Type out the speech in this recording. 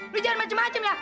lu jangan macem macem ya